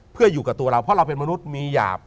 เพราะเราเป็นมนุษย์มีหยาบ